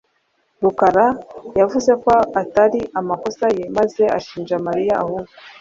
Rukara yavuze ko atari amakosa ye maze ashinja Mariya ahubwo.